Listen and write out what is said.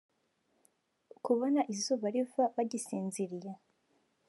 kubona izuba riva bagisinziriye